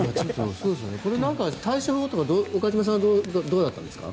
これ、対処法とか岡島さんはどうだったんですか？